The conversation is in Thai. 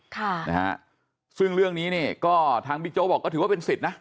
ค่ะนะฮะซึ่งเรื่องนี้เนี่ยก็ทางบิ๊กโจ๊กบอกก็ถือว่าเป็นสิทธิ์นะ